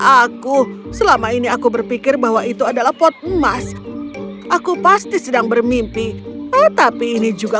aku selama ini aku berpikir bahwa itu adalah pot emas aku pasti sedang bermimpi tetapi ini juga